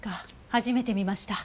初めて見ました。